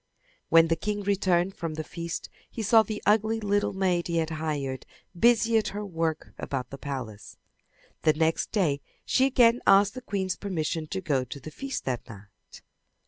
When the king returned from the feast he saw the ugly little maid he had hired busy at her work about the palace. The next day she again asked the queen's permission to go to the feast that night.